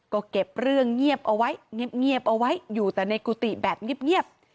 ก็เก็บเรื่องเงียบเอาไว้อยู่แต่ในกุฏิแบบเงียบ